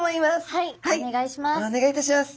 はいお願いします。